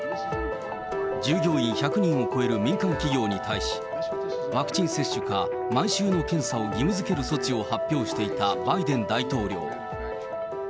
従業員１００人を超える民間企業に対し、ワクチン接種か毎週の検査を義務づける措置を発表していたバイデン大統領。